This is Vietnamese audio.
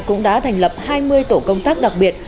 cũng đã thành lập hai mươi tổ công tác đặc biệt